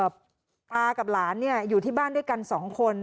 ตากับหลานอยู่ที่บ้านด้วยกันสองคน